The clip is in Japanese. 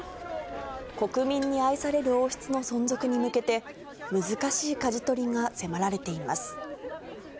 国民に愛される王室の存続に向けて、難しいかじ取りが迫られています。